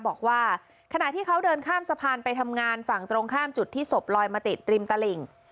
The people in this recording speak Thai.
บอกว่าขณะที่เขาเดินข้ามสะพานไปทำงานฝั่งตรงข้ามจุดที่ศพลอยมาติดริมตลิ่ง